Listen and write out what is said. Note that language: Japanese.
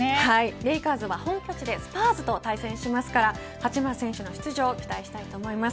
レイカーズは本拠地でスパーズと対戦しますから八村選手の出場期待したいと思います。